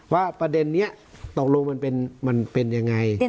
ประเด็นนี้ตกลงมันเป็นยังไง